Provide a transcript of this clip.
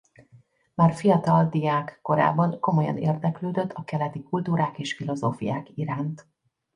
Már fiatal diák korában komolyan érdeklődött a keleti kultúrák és filozófiák iránt.